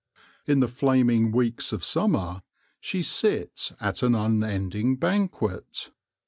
In the flaming weeks of summer she sits at an unending banquet.